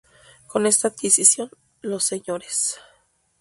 Con esta adquisición los Sres.